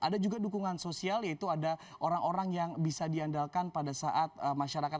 ada juga dukungan sosial yaitu ada orang orang yang bisa diandalkan pada saat masyarakat